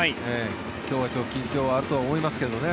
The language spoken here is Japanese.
今日は緊張はあると思いますけどね